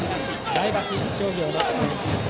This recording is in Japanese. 前橋商業の攻撃です。